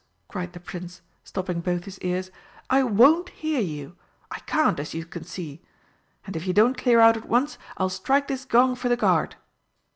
cried the Prince, stopping both his ears. "I won't hear you. I can't, as you can see. And if you don't clear out at once, I'll strike this gong for the guard!"